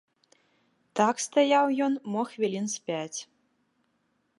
Так стаяў ён мо хвілін з пяць.